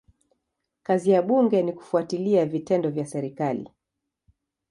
Kazi ya bunge ni kufuatilia vitendo vya serikali.